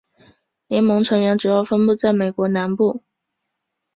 联盟成员主要分布在美国南部。